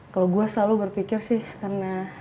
kalau gue selalu berpikir sih karena